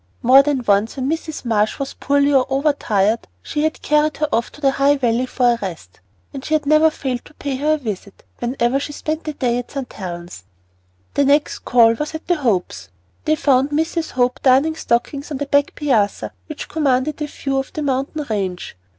More than once when Mrs. Marsh was poorly or overtired, she had carried her off to the High Valley for a rest; and she never failed to pay her a visit whenever she spent a day at St. Helen's. Their next call was at the Hopes'. They found Mrs. Hope darning stockings on the back piazza which commanded a view of the mountain range.